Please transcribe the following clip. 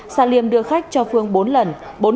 sa liêm đưa khách cho phương bốn lần